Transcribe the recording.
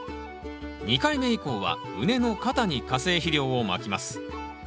２回目以降は畝の肩に化成肥料をまきます。